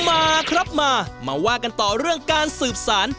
มาครับมามาว่ากันต่อเรื่องการสืบสาร